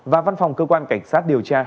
và văn phòng cơ quan cảnh sát điều tra